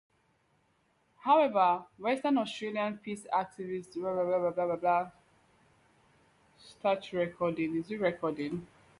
However, Western Australian peace activist Jo Vallentine was elected to the Senate.